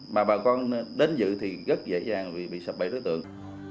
mà bà con đến dự thì rất dễ dàng vì bị sập bẫy đối tượng